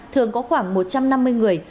thường có khoảng một trăm năm mươi người